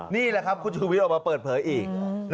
นี่แหละครับคุณชูวิทย์ออกมาเปิดเผยอีก